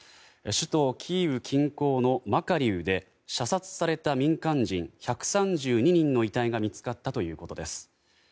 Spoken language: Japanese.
首都キーウ近郊のマカリウで射殺された民間人１３２人の遺体が見つかったということです。